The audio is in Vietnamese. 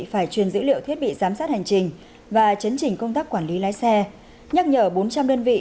phải truyền dữ liệu thiết bị giám sát hành trình và chấn chỉnh công tác quản lý lái xe nhắc nhở bốn trăm linh đơn vị